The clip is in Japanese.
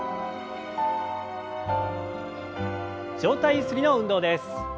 上体ゆすりの運動です。